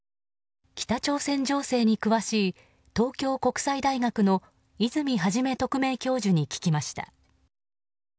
北朝鮮情勢に詳しい東京国際大学の伊豆見元特任教授に聞きました。